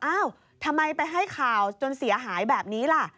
อ้าวทำไมไปให้ข่าวจนเสียหายแบบนี้ล่ะ